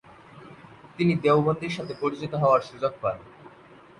তিনি দেওবন্দির সাথে পরিচিত হওয়ার সুযোগ পান।